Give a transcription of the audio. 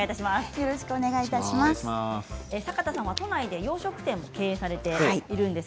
よろしくお願いします。